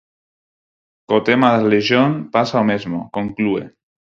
Co tema da relixión pasa o mesmo, conclúe.